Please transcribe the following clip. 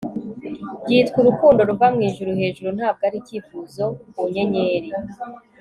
byitwa urukundo ruva mwijuru hejuru ntabwo ari icyifuzo ku nyenyeri